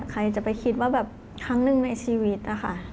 ใครจะไปคิดว่าครั้งหนึ่งในชีวิต